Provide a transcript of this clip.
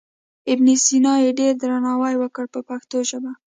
ابن سینا یې ډېر درناوی وکړ په پښتو ژبه.